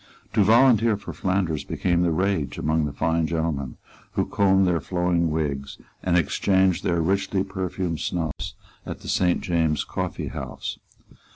To volunteer for Flanders became the rage among the fine gentlemen who combed their flowing wigs and exchanged their richly perfumed snuffs at the Saint James's Coffeehouse.